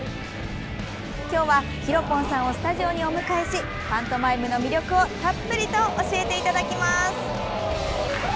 今日は、ＨＩＲＯ‐ＰＯＮさんをスタジオにお迎えしパントマイムの魅力をたっぷりと教えていただきます！